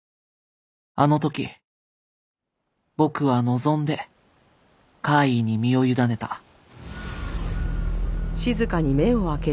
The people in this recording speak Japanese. あの時僕は望んで怪異に身を委ねた